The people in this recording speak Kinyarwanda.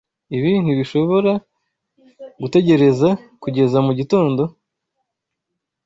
Ibi ntibishobora gutegereza kugeza mugitondo?